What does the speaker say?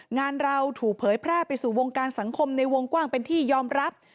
งานเราถูกเผยแพร่ไปสู่วงการสังคมในวงกว้างเป็นที่ยอมรับ